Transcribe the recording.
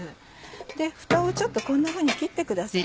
でふたをちょっとこんなふうに切ってください。